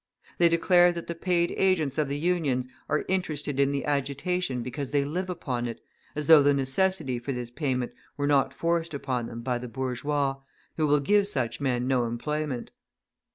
They declare that the paid agents of the Unions are interested in the agitation because they live upon it, as though the necessity for this payment were not forced upon them by the bourgeois, who will give such men no employment!